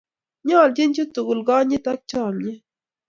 Nyaljin chi tukul konyit ak chamyet